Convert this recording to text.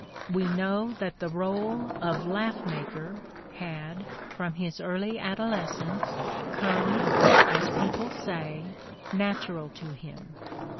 We know that the role of laugh maker had, from early adolescence, come, as people say, natural to him.